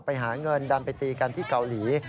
ไปหาเงินดันไปตีกันที่เกาหลี